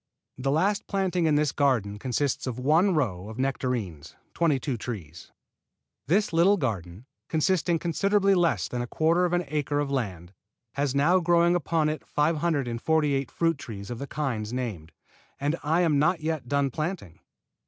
The last planting in this garden consists of one row of nectarines, twenty two trees. This little garden, containing considerably less than a quarter of an acre of land, has now growing upon it 548 fruit trees of the kinds named. And I am not yet done planting.